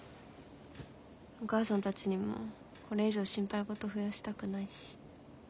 お母さんたちにもうこれ以上心配事増やしたくないし。